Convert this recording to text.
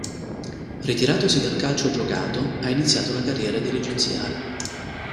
Ritiratosi dal calcio giocato, ha iniziato la carriera dirigenziale.